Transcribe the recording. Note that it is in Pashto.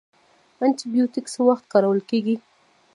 انټي بیوټیک څه وخت کارول کیږي؟